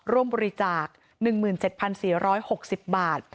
ร่วมบริจาคหนึ่งหมื่นเจ็ดพันสี่ร้อยหกสิบบาท